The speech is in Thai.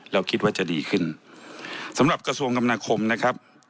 เราคิดว่าจะดีขึ้นสำหรับกระทรวงกรรมนาคมนะครับ